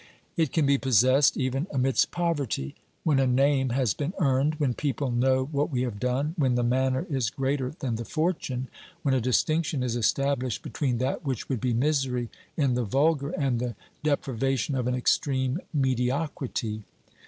It can be possessed even amidst poverty, when a name has been earned, when people know what we have done, when the manner is greater than the fortune, when a distinction is established between that which would be misery in the vulgar and the depriva tion of an extreme mediocrity.